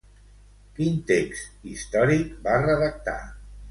Quin text històric va redactar?